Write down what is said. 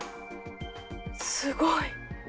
すごい！